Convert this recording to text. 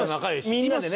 みんなでね。